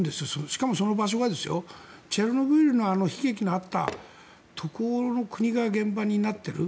しかも、その場所がチョルノービリの悲劇があったところの国が現場になってる。